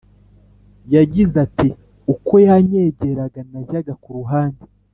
yagize ati “uko yanyegeraga najyaga ku ruhande